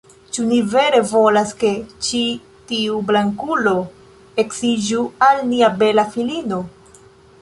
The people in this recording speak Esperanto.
Ĉu ni vere volas, ke ĉi tiu blankulo edziĝu al nia bela filino?